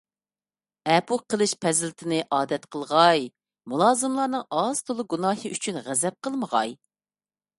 ئەپۇ قىلىش پەزىلىتىنى ئادەت قىلغاي، مۇلازىملارنىڭ ئاز - تولا گۇناھى ئۈچۈن غەزەپ قىلمىغاي.